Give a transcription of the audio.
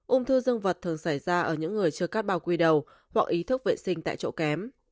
úng thư dương vật thường xảy ra ở những người chưa cắt bao quy đầu hoặc ý thức vệ sinh tại chỗ kém